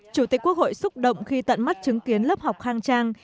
chủ tịch quốc hội xúc động khi tận mắt chứng kiến lớp học khang trang